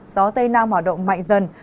gió tây nam hoạt động mạnh dần